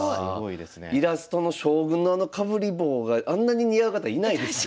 イラストの将軍のあのかぶり帽があんなに似合う方いないですよ。